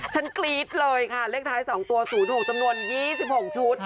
กรี๊ดเลยค่ะเลขท้าย๒ตัว๐๖จำนวน๒๖ชุด